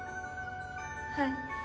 はい。